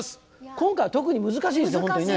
今回は特に難しいですほんとにね。